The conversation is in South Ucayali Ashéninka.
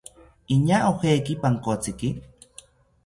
Iñaa ojeki pankotziki